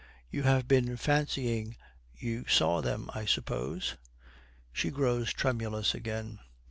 'You have been fancying you saw them, I suppose.' She grows tremulous again.